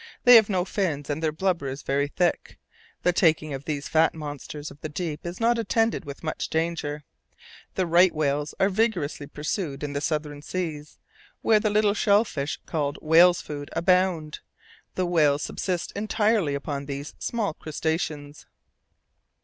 They have no fins, and their blubber is very thick. The taking of these fat monsters of the deep is not attended with much danger. The right whales are vigorously pursued in the southern seas, where the little shell fish called "whales' food" abound. The whales subsist entirely upon these small crustaceans.